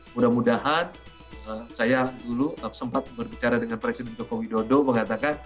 mudah mudahan saya dulu sempat berbicara dengan presiden joko widodo mengatakan